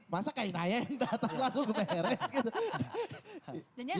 masa kain ayah yang dateng lalu beres gitu